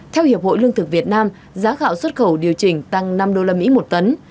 theo hiệp hội lương thực việt nam giá gạo xuất khẩu điều chỉnh tăng năm đô la mỹ một tấn